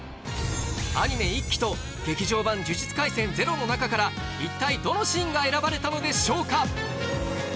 アニメ１期と「劇場版呪術廻戦０」の中から一体どのシーンが選ばれたのでしょうか？